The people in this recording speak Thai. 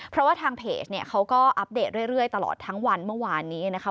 เพราะว่าทางเพจเนี่ยเขาก็อัปเดตเรื่อยตลอดทั้งวันเมื่อวานนี้นะคะ